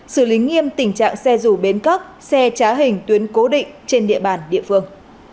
xử lý nghiêm tình trạng xe dù bến cóc xe trá hình tuyến cố định trên địa bàn địa phương